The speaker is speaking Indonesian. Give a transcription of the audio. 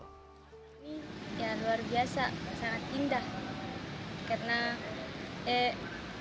ini ya luar biasa sangat indah